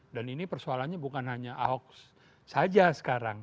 dan ini persoalannya bukan hanya ahok saja sekarang